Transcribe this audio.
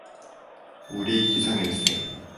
우리 기상일세